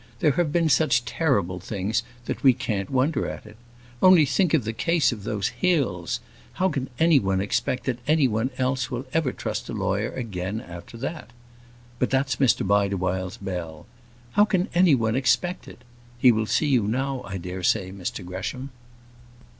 There have been such terrible things that we can't wonder at it. Only think of the case of those Hills! How can any one expect that any one else will ever trust a lawyer again after that? But that's Mr Bideawhile's bell. How can any one expect it? He will see you now, I dare say, Mr Gresham."